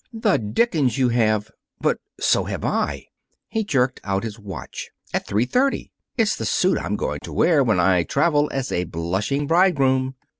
"The dickens you have! But so have I" he jerked out his watch "at three thirty! It's the suit I'm going to wear when I travel as a blushing bridegroom."